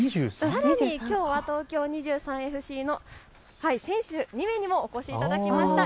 さらにきょうは東京２３ＦＣの選手２名にもお越しいただきました。